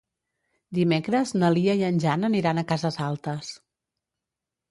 Dimecres na Lia i en Jan aniran a Cases Altes.